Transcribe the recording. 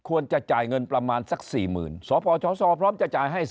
ควรจะจ่ายเงินประมาณสัก๔๐๐๐สปชศพร้อมจะจ่ายให้